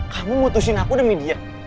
kamu mutusin aku demi dia